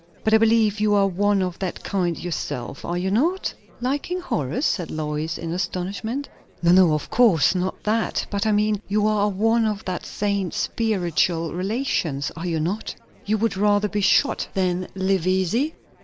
"But I believe you are one of that kind yourself, are you not?" "Liking horrors?" said Lois, in astonishment. "No, no, of course! not that. But I mean, you are one of that saint's spiritual relations. Are you not? You would rather be shot than live easy?"